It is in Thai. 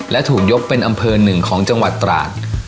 และถูกยกเป็นอำเภอหนึ่งของจังหวัดตราด